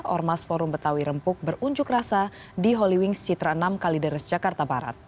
ormas forum betawi rempuk berunjuk rasa di holy wings citra enam kalideres jakarta barat